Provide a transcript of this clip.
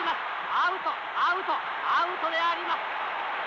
アウトアウトアウトであります。